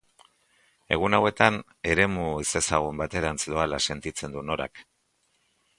Egun hauetan eremu ezezagun baterantz doala sentitzen du Norak.